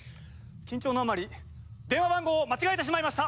緊張のあまり電話番号を間違えてしまいました！